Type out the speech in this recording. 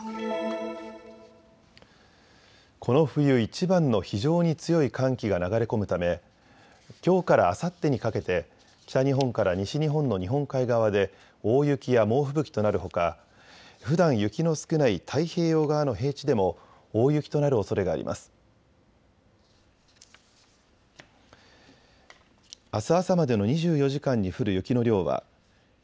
この冬いちばんの非常に強い寒気が流れ込むため、きょうからあさってにかけて北日本から西日本の日本海側で大雪や猛吹雪となるほかふだん雪の少ない太平洋側の平地でも大雪となるおそれがあります。